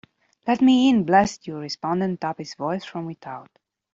'Let me in, blast you!' responded Tuppy's voice from without.